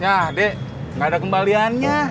ya deh gak ada kembaliannya